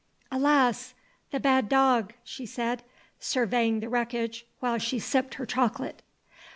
"Alas! The bad dog!" she said, surveying the wreckage while she sipped her chocolate.